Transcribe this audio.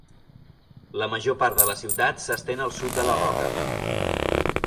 La major part de la ciutat s'estén al sud de la roca.